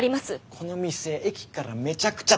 この店駅からめちゃくちゃ遠いんだぞ？